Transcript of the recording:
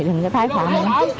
đừng có tái phạm